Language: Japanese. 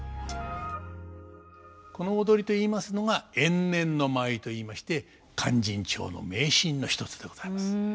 この踊りといいますのが延年の舞といいまして「勧進帳」の名シーンの一つでございます。